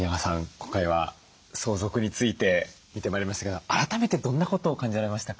今回は相続について見てまいりましたけど改めてどんなことを感じられましたか？